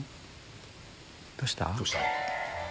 どうした？